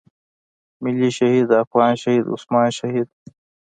ملي شهيد افغان شهيد عثمان شهيد.